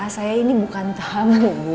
saya ini bukan tamu